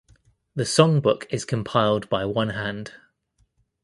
The songbook is compiled by one hand.